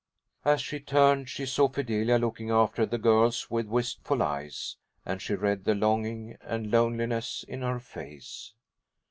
As she turned, she saw Fidelia looking after the girls with wistful eyes, and she read the longing and loneliness in her face.